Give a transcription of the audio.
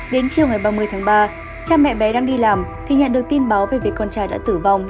đến chiều ngày ba mươi tháng ba cha mẹ bé đang đi làm thì nhận được tin báo về việc con trai đã tử vong